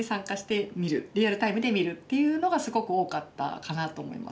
リアルタイムで見るっていうのがすごく多かったかなと思います。